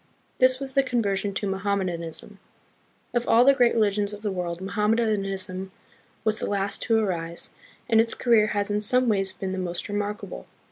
This was the conversion to Mohammedanism. Of all the great religions of the world, Mohammedanism was the last to arise, and its career has in some ways been the most re markable.